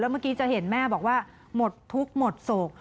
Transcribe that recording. เมื่อกี้จะเห็นแม่บอกว่าหมดทุกข์หมดโศก